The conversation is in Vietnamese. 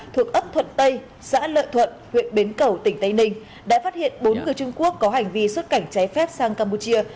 thuộc ấp thuận tây xã lợi thuận huyện bến cầu tỉnh tây ninh đã phát hiện bốn người trung quốc có hành vi xuất cảnh trái phép sang campuchia